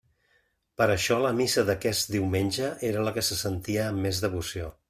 Per això la missa d'aquest diumenge era la que se sentia amb més devoció.